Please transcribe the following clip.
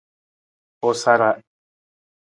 U sara.